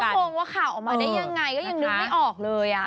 คุณชิคก็โค้งว่าข่าวออกมาได้ยังไงก็ยังนึกไม่ออกเลย